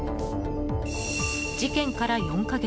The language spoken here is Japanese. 事件から４か月。